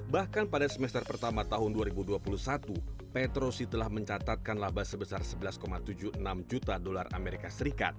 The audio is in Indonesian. bahkan pada semester pertama tahun dua ribu dua puluh satu petrosi telah mencatatkan laba sebesar sebelas tujuh puluh enam juta dolar as